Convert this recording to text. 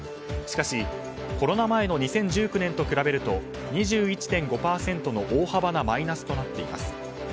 しかしコロナ前の２０１９年と比べると大幅なマイナスとなっています。